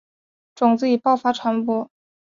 种子以爆发传播。